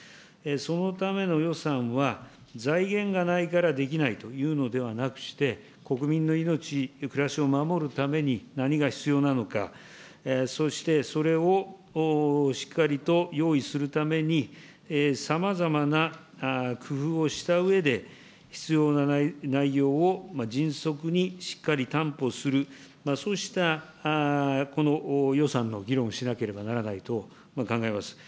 そのための予算は財源がないからできないというのではなくして、国民の命、暮らしを守るために何が必要なのか、そしてそれをしっかりと用意するために、さまざまな工夫をしたうえで、必要な内容を迅速にしっかり担保する、そうした予算の議論をしなければならないと考えます。